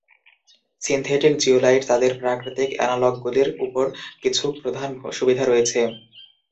Synthetic zeolite তাদের প্রাকৃতিক অ্যানালগগুলির উপর কিছু প্রধান সুবিধা রয়েছে।